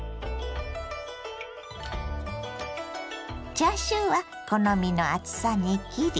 チャーシューは好みの厚さに切り。